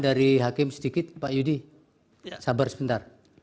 dari hakim sedikit pak yudi sabar sebentar